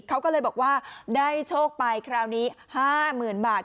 เขาก็เลยบอกว่าได้โชคไปคราวนี้๕๐๐๐บาท